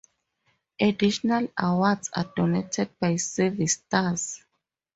Additional awards are denoted by service stars.